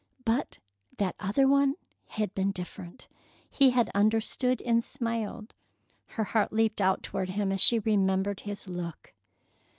But that other one had been different. He had understood and smiled. Her heart leaped out toward him as she remembered his look.